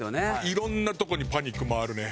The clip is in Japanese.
いろんなとこにパニック回るね。